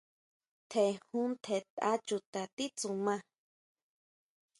Tjen jun, tjen tʼa chuta titsuma.